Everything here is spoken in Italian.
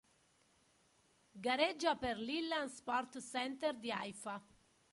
Gareggia pel l'Ilan Sport Center di Haifa.